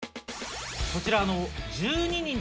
こちら。